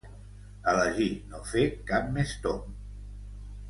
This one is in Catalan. Elegir no fer cap més tomb.